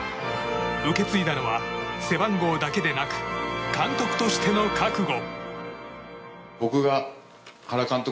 受け継いだのは背番号だけでなく監督としての覚悟。